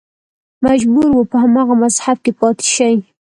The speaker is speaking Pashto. مجبور و په هماغه مذهب کې پاتې شي